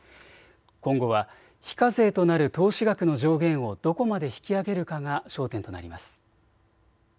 今後は非課税となる投資額の上限をどこまで引き上げるかが焦点となります。